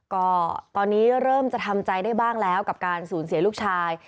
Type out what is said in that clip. ก็ตอนนี้เริ่มจะทำใจได้บ้างแล้วกับการสูญเสียลูกชาย